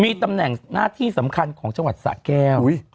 มีตำแหน่งหน้าที่สำคัญของจังหวัดสะแก้ว